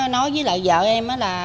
nói với vợ em là